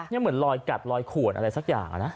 นี่เหมือนลอยกัดลอยขวนอะไรสักอย่างนะ